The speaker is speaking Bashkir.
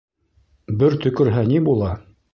Бер төкөрһә ни була